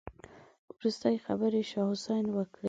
وروستۍ خبرې شاه حسين وکړې.